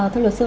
thưa luật sư